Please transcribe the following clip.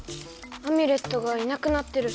アミュレットがいなくなってる。